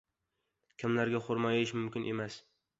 Kimlarga xurmo yeyish mumkin emas?